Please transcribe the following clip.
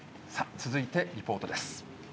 続いてリポートです。